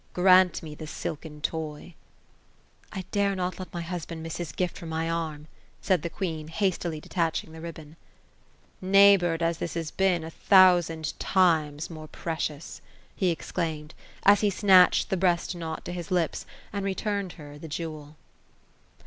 Grant me the silken toy." ^^ I dare not let my husband miss his gift from my arm ;" said the queen, hastily detaching the ribbon. *' Neighboured as this has been, a thousand times more precious !" he exclaimed, as he snatched the breast knot to his lips, and returned her the jewel.